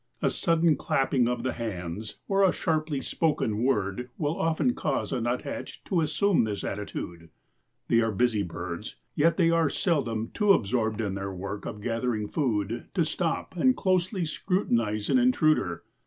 A sudden clapping of the hands or a sharply spoken word will often cause a nuthatch to assume this attitude. They are busy birds, yet they are seldom too absorbed in their work of gathering food to stop and closely scrutinize an intruder.